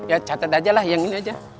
ya catat aja lah yang ini aja